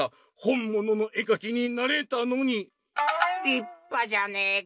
「りっぱじゃねえか！